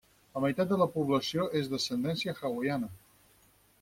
La meitat de la població és d'ascendència hawaiana.